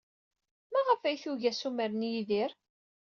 Maɣef ay tugi assumer n Yidir?